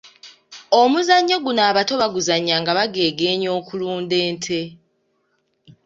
Omuzannyo guno abato baguzannya nga bageegeenya okulunda ente.